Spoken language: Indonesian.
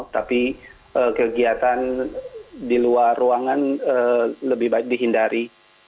tapi kegiatan di luar ruangan lebih baik dihindari